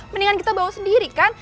mendingan kita bawa sendiri kan